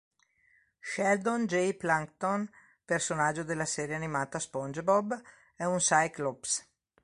Sheldon J. Plankton, personaggio della serie animata SpongeBob, è un Cyclops.